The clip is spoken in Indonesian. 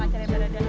ini adalah pengacara